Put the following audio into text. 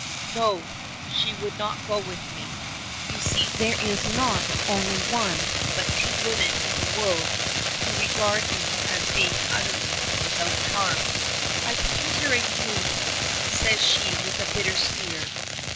'No,' she would not go with me. You see there is not only one, but two women in the world who regard me as being utterly without charm." "I commiserate you!" says she, with a bitter sneer.